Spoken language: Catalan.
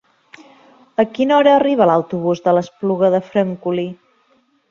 A quina hora arriba l'autobús de l'Espluga de Francolí?